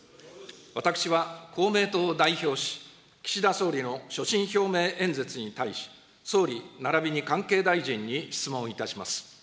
私は公明党を代表し、岸田総理の所信表明演説に対し、総理、並びに関係大臣に質問をいたします。